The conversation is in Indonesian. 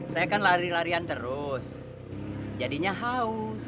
saya kan lari larian terus jadinya haus